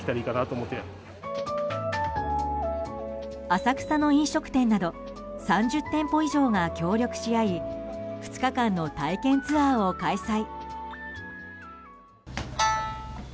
浅草の飲食店など３０店舗以上が協力し合い２日間の体験ツアーを開催。